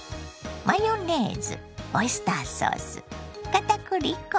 マヨネーズオイスターソースかたくり粉